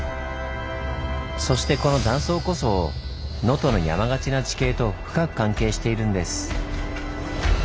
そしてこの断層こそ能登の山がちな地形と深く関係しているんです。